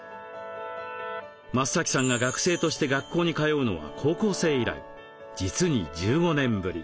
増さんが学生として学校に通うのは高校生以来実に１５年ぶり。